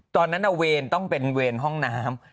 ตอนนั้นเวรต้องเป็นเวรห้องน้ำ